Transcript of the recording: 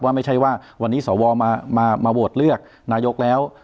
ไม่ใช่ว่าวันนี้สวมาโหวตเลือกนายกแล้ว